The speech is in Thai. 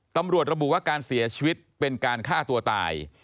ตำรวจระบุว่าการเสียชีวิตเป็นการฆ่าตัวตาย